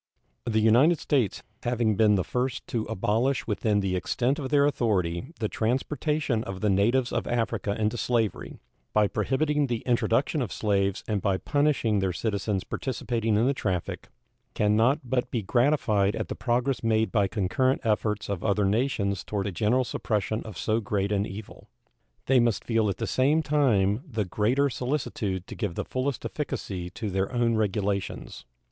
The United States, having been the first to abolish within the extent of their authority the transportation of the natives of Africa into slavery, by prohibiting the introduction of slaves and by punishing their citizens participating in the traffic, can not but be gratified at the progress made by concurrent efforts of other nations toward a general suppression of so great an evil. They must feel at the same time the greater solicitude to give the fullest efficacy to their own regulations.